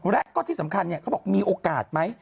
และก็ที่สำคัญเขาบอกมีโอกาสไหม